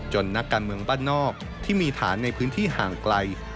นักการเมืองบ้านนอกที่มีฐานในพื้นที่ห่างไกล